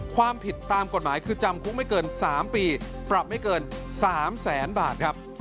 ความผิดตามกฎหมายคือจำคุกไม่เกิน๓ปีปรับไม่เกิน๓แสนบาทครับ